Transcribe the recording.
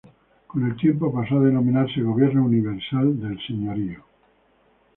Con el tiempo pasó a denominarse "Gobierno universal del Señorío".